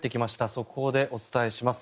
速報でお伝えします。